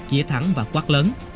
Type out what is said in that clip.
chỉa thẳng và quát lớn